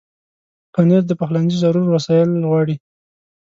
پنېر د پخلنځي ضرور وسایل غواړي.